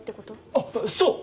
あっそう！